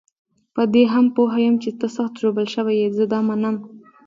په دې هم پوه یم چې ته سخت ژوبل شوی یې، زه دا منم.